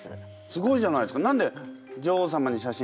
すごいじゃないですか。